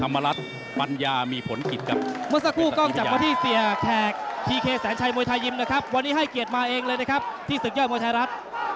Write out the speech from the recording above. มวยไทยยิมนะครับวันนี้ให้เกียรติมาเองเลยนะครับที่ศึกเยี่ยมมวยไทยรัฐ